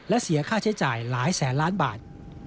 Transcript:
และเสียค่าใช้จ่ายหลายแสนล้านบาท